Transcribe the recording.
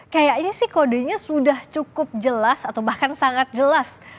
kayaknya sih kodenya sudah cukup jelas atau bahkan sangat jelas